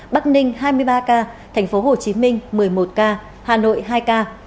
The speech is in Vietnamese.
bắc ninh hai mươi ba ca tp hcm một mươi một ca hà nội hai ca